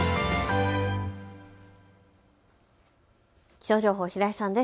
気象情報、平井さんです。